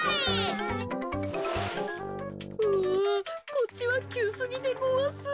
こっちはきゅうすぎでごわす。